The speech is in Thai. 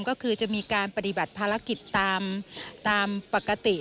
ก็คือจะมีการปฏิบัติภารกิจตามปกติ